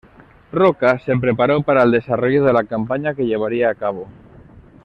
Roca, se preparó para el desarrollo de la campaña que llevaría a cabo.